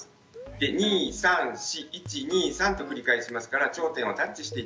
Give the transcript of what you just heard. で２３４１２３と繰り返しますから頂点をタッチしていって下さい。